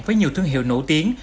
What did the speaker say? với nhiều thương hiệu nổi tiếng